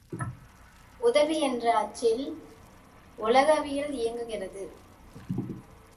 உதவி என்ற அச்சில் உலகியல் இயங்குகிறது.